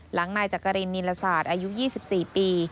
นายจักรินนิลศาสตร์อายุ๒๔ปี